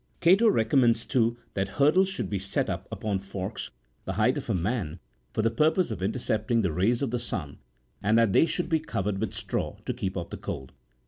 Cato42 recommends, too, that hurdles should be set up upon forks, the height of a man, for the purpose of intercepting the rays of the sun, and that they should be covered with straw to keep off the cold.